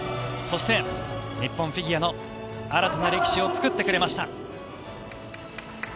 そして、日本フィギュアの新たな歴史を作ってくれました。